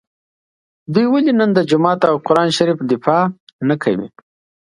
دوی ولي نن د جومات او قران شریف دفاع نکوي